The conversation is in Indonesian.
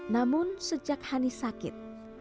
namun sejak honey sakit